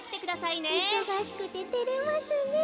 いそがしくててれますねえ。